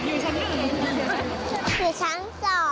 ไม่ใช่ไม่ใช่